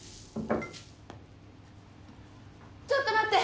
ちょっと待って！